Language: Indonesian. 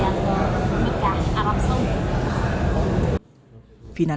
adalah kiswah yang nanti akan digunakan